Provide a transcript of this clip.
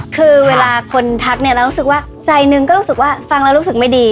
คือเวลาคนทักเนี่ยเรารู้สึกว่าใจหนึ่งก็รู้สึกว่าฟังแล้วรู้สึกไม่ดี